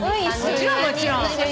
もちろんもちろん。